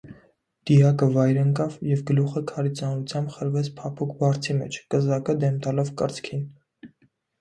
Դիակը վայր ընկավ, և գլուխը քարի ծանրությամբ խրվեց փափուկ բարձի մեջ, կզակը դեմ տալով կրծքին: